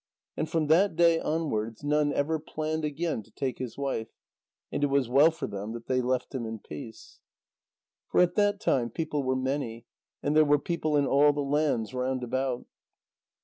And from that day onwards, none ever planned again to take his wife. And it was well for them that they left him in peace. For at that time, people were many, and there were people in all the lands round about.